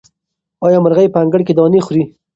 آیا مرغۍ په انګړ کې دانې خوري؟